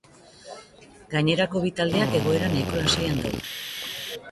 Gainerako bi taldeak egoera nahiko lasaian daude.